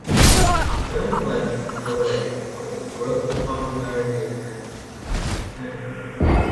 The film led the way for the growth of popularity of anime outside Japan.